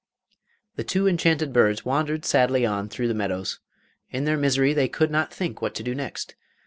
The two enchanted birds wandered sadly on through the meadows. In their misery they could not think what to do next.